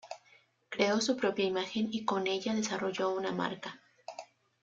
Creó su propia imagen y con ella desarrolló una marca.